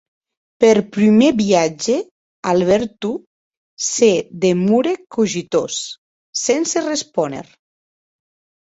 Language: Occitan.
Per prumèr viatge Alberto se demorèc cogitós, sense respóner.